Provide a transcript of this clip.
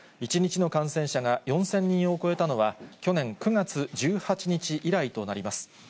１日の感染者が４０００人を超えたのは、去年９月１８日以来となります。